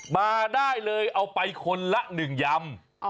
มาได้เลยเอาไปคนละ๑ยำ